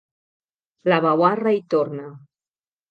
La veuarra hi torna.